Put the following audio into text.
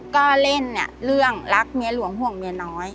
ก็เล่นเนี่ยเรื่องรักเมียหลวงห่วงเมียน้อย